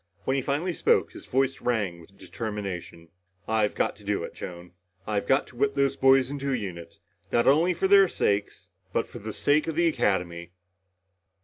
When he finally spoke, his voice rang with determination. "I've got to do it, Joan. I've got to whip those boys into a unit. Not only for their sakes but for the sake of the Academy!"